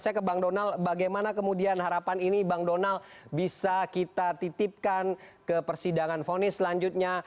saya ke bang donal bagaimana kemudian harapan ini bang donal bisa kita titipkan ke persidangan fonis selanjutnya